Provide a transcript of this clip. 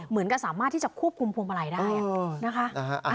เหมือนกับสามารถที่จะควบคุมพวงมาลัยได้นะคะ